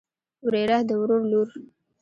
وريره د ورور لور.